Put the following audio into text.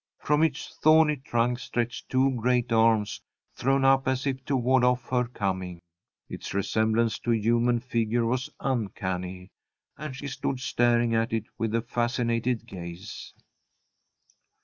From its thorny trunk stretched two great arms, thrown up as if to ward off her coming. Its resemblance to a human figure was uncanny, and she stood staring at it with a fascinated gaze.